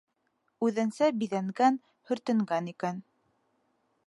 Үҙенсә биҙәнгән, һөртөнгән икән.